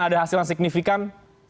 ada hasil yang signifikan